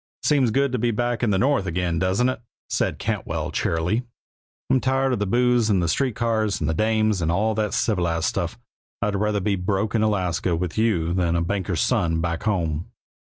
"Seems good to be back in the North again, doesn't it?" said Cantwell, cheerily. "I'm tired of the booze, and the street cars, and the dames, and all that civilized stuff. I'd rather be broke in Alaska with you than a banker's son, back home."